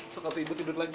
sekarang ibu tidur lagi